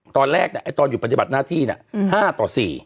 ตอนแรกตอนอยู่ปฏิบัติหน้าที่๕ต่อ๔